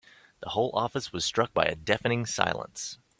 The whole office was struck by a deafening silence.